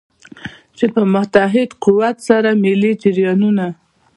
چې په متحد قوت سره ملي جریانونه.